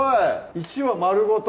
１羽丸ごと